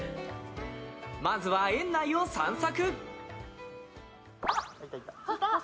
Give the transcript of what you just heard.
まずは、園内を散策。